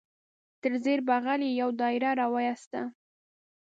تر زیر بغل یې یو دایره را وایسته.